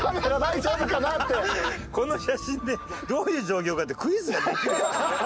この写真でどういう状況かってクイズができるよ。